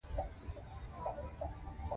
دغه درمل د سیروتونین کچه برابروي.